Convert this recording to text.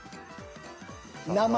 名前。